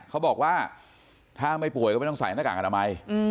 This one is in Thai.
เขาบอกว่าถ้าไม่ป่วยก็ไม่ต้องใส่หน้ากากอนามัย